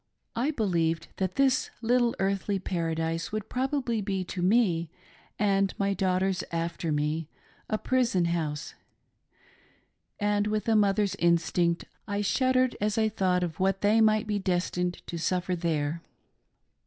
I believed that this little earthly paradise would probably be to me and my daughters after me, a prison house, and with a mother's in stinct I shuddered as I thought of what they might be des tined to suffer there.